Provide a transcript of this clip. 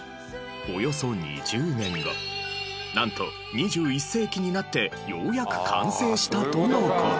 およそ２０年後なんと２１世紀になってようやく完成したとの事。